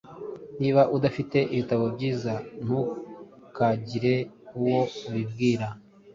Niba udafite ibitabo byiza , ntukagire uwo ubibwira.